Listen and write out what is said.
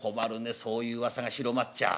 そういううわさが広まっちゃ。